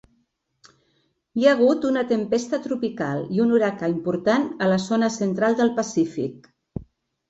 Hi ha hagut una tempesta tropical i un huracà important a la zona central del Pacífic.